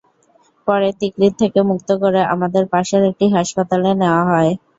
পরে তিকরিত থেকে মুক্ত করে আমাদের পাশের একটি হাসপাতালে নেওয়া হয়।